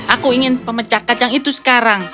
aku ingin pemecah kacang itu sekarang